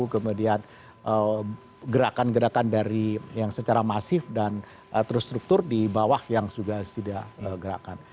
kemudian gerakan gerakan dari yang secara masif dan terstruktur di bawah yang sudah gerakan